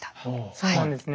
そうなんですね。